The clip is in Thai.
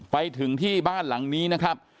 ไปถึงที่บ้านหลังนี้นะครับ